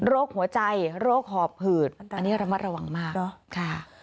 โรคหัวใจโรคหอบผืดอันนี้ระมัดระวังมาก